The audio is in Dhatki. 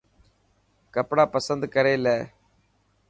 ڪپڙا پسند ڪري لي.